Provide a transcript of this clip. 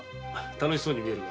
楽しそうにみえるが。